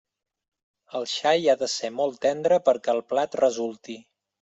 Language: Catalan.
El xai ha de ser molt tendre perquè el plat resulti.